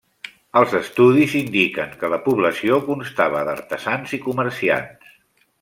Els estudis indiquen que la població constava d'artesans i comerciants.